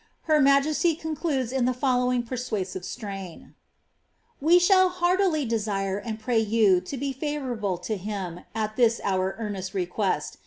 Her majesty condud« in the following persuasive strain :—We shall heurlily <lesire and pray you to be favourable to him at thi> our earnest request